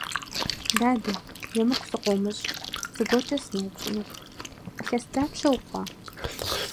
Дадэ, емыкӀу сыкъыумыщӀ, зыгуэркӀэ сыноупщӀынут: илъэс дапщэ ухъуа?